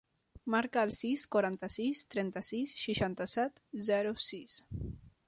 Marca el sis, quaranta-sis, trenta-sis, seixanta-set, zero, sis.